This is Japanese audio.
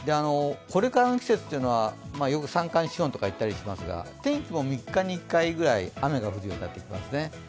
これからの季節というのは、よく三寒四温とか言ったりしますが、天気も３日に１回くらい雨が降るようになりますね。